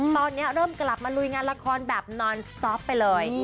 ตอนนี้เริ่มกลับมาลุยงานละครแบบนอนสต๊อปไปเลย